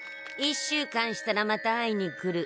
１週間したらまた会いに来る。